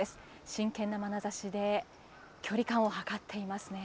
真剣なまなざしで距離感を測っていますね。